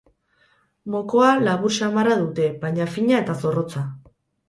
Mokoa labur samarra dute, baina fina eta zorrotza.